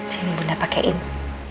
sini bunda pake ini